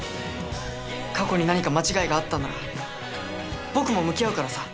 過去に何か間違いがあったんなら僕も向き合うからさ。